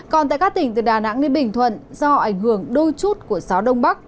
còn tại các tỉnh từ đà nẵng đến bình thuận do ảnh hưởng đôi chút của gió đông bắc